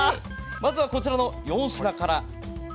まずは、こちらの４品から。